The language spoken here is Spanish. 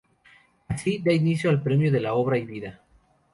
Así, da inicio el Premio a la Vida y Obra.